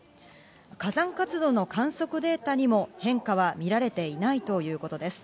火山活動の観測データにも変化は見られていないということです。